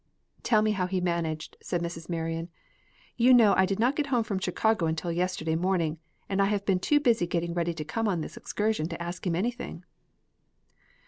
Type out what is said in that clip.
"Tell me how he managed," said Mrs. Marion. "You know I did not get home from Chicago until yesterday morning, and I have been too busy getting ready to come on this excursion to ask him anything."